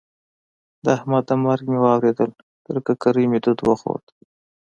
د احمد د مرګ مې واورېدل؛ تر ککرۍ مې دود وخوت.